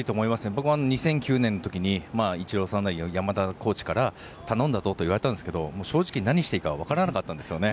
僕も２００９年の時にイチローさんや山田コーチから頼むぞと言われたんですが正直、何をしていいかわからなかったんですね。